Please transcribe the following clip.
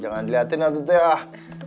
jangan diliatin lah tuh teh ah